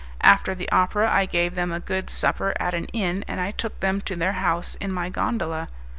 After the opera I gave them a good supper at an inn, and I took them to their house in my gondola.